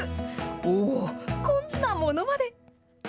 おー、こんなものまで。